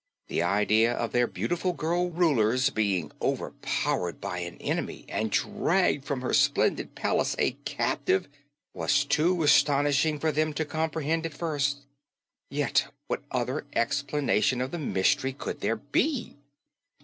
The idea of their beautiful girl Ruler's being overpowered by an enemy and dragged from her splendid palace a captive was too astonishing for them to comprehend at first. Yet what other explanation of the mystery could there be?